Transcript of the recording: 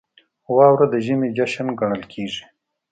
• واوره د ژمي جشن ګڼل کېږي.